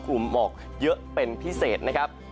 หมอกเยอะเป็นพิเศษนะครับ